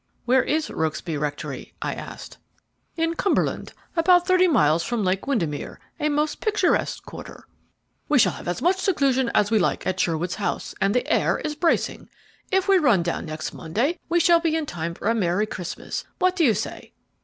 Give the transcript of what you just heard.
"Where is Rokesby Rectory?" I asked. "In Cumberland, about thirty miles from Lake Windermere, a most picturesque quarter. We shall have as much seclusion as we like at Sherwood's house, and the air is bracing. If we run down next Monday, we shall be in time for a merry Christmas. What do you say?"